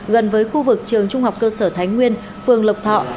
gần với khu vực trường trung học cơ sở thái nguyên phường lộc thọ